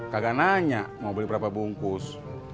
lagian kan ibu kagak nanya mau beli berapa bungkus